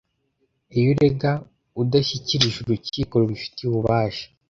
Iyo urega adashyikirije urukiko rubifitiye ububasha